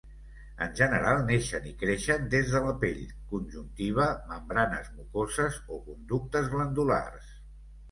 En general neixen i creixen des de la pell, conjuntiva, membranes mucoses o conductes glandulars.